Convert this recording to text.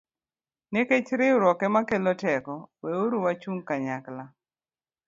Nikech riwruok ema kelo teko, weuru wachung ' kanyachiel